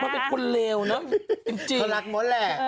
เขาเป็นคนเลวเนอะจริงจริงเขารักเหมือนแหละ